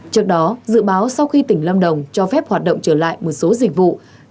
trước đó dự báo sau khi tỉnh lâm đồng cho phép hoạt động trở lại một số dịch vụ